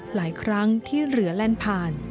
หลายครั้งที่เหลือแลนด์ผ่าน